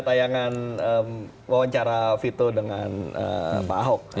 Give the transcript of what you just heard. tayangan wawancara vito dengan pak ahok